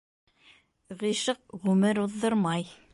Ғишыҡ ғүмер уҙҙырмай.